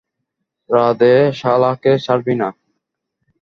রাধে শালাকে ছাড়বি না!